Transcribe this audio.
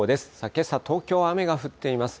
けさ東京、雨が降っています。